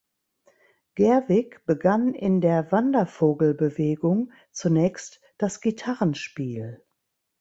Gerwig begann in der Wandervogelbewegung zunächst das Gitarrenspiel.